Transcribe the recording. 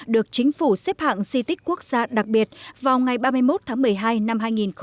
được chính phủ xếp hạng di tích quốc gia đặc biệt vào ngày ba mươi một tháng một mươi hai năm hai nghìn một mươi